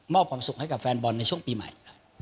ความสุขให้กับแฟนบอลในช่วงปีใหม่